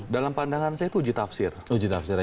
dalam pandangan saya itu uji tafsir